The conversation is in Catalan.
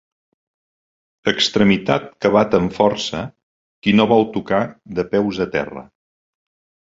Extremitat que bat amb força qui no vol tocar de peus a terra.